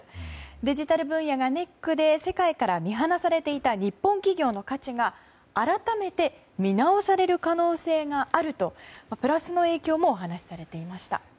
デジタル分野がネックで世界から見放されていた日本企業の価値が改めて見直される可能性があるとプラスの影響もお話しされていました。